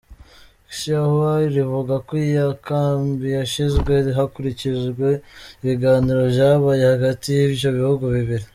Xinhua rivuga ko iyo kambi yashinzwe hakurikijwe ibiganiro vyabaye hagati y'ivyo bihugu bibiri.